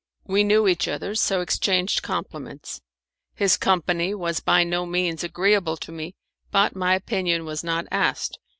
We knew each other, so exchanged compliments. His company was by no means agreeable to me, but my opinion was not asked.